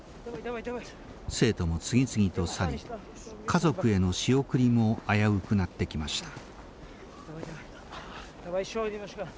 生徒も次々と去り家族への仕送りも危うくなってきました。